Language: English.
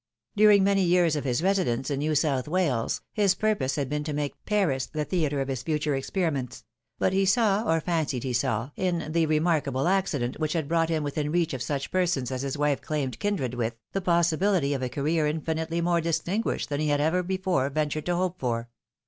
During many years of his resi dence in New South Wales, his purpose had been to make Paris the theatre of his future experiments ; but he saw, or fancied he saw, in the remarkable accident which had brought him within reach of such persons as his wife claimed kindred with, the possibihty of a career infinitely more distinguished than he had ever before ventured to hope for.